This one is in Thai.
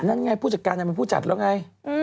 นั่นไงผู้จัดการเป็นผู้จัดแล้วไง